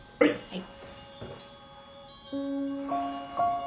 はい。